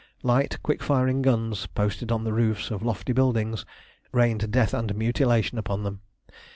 Light, quick firing guns, posted on the roofs of lofty buildings, rained death and mutilation upon them.